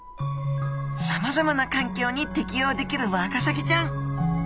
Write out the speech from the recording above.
さまざまな環境に適応できるワカサギちゃん。